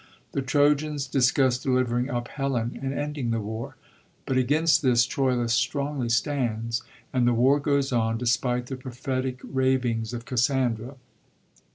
The Trojans discuss delivering up Helen and ending the war ; but against this, Troilus strongly stands ; and the war goes on, despite the prophetic ravings of Cassandra.